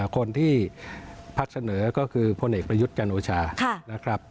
คนที่ภาคเสนอก็คือพลเอกรยุทธการโอชานะครับ